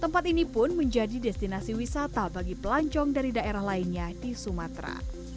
tempat ini pun menjadi destinasi wisata bagi pelancong dari daerah lainnya di sumatera